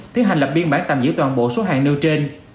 tiến hành lập biên bản tạm giữ toàn bộ số hàng nêu trên